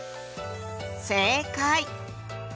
正解！